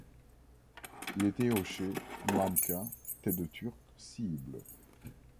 Il était hochet, mannequin, tête de turc, cible.